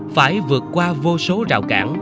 phải vượt qua vô số rào cản